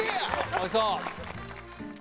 おいしそう。